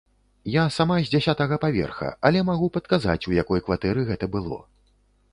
Я сама з дзясятага паверха, але магу падказаць, у якой кватэры гэта было.